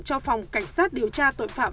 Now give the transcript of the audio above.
cho phòng cảnh sát điều tra tội phạm